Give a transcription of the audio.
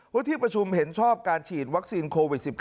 ที่ประชุมเห็นชอบการฉีดวัคซีนโควิด๑๙